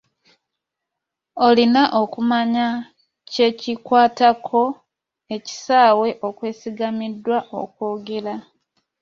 Olina okumanya kye kikwatako/ekisaawe okwesigamiziddwa okwogera.